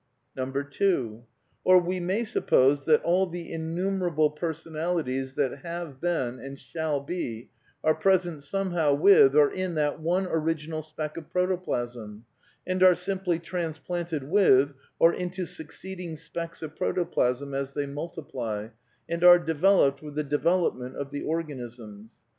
2. Or we may suppose that all the imiumerable per sonalities that have been and shall be are present some how with or in that one original speck of protoplasm, and are simply transplanted with or into succeeding specks of protoplasm as they multiply, and are developed with the development of the organisms.